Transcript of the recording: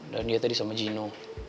dan dia tadi sama gino